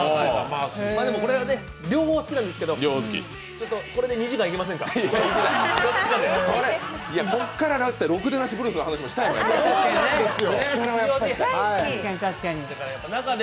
これは両方好きなんですけど、これで２時間いけませんか、どっちかで。